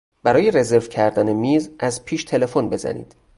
برای رزرو کردن میز از پیش تلفن بزنید.